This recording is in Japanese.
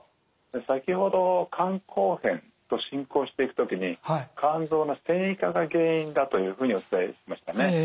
先ほど肝硬変と進行していく時に肝臓の線維化が原因だというふうにお伝えしましたね。